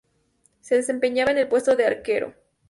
Se desempeñaba en el puesto de arquero.